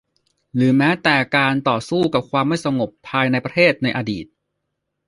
หรือแม้แต่การต่อสู้กับความไม่สงบภายในประเทศในอดีต